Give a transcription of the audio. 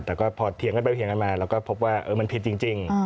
แต่ก็พอเถียงกันไปเถียงกันมาเราก็พบว่ามันผิดจริง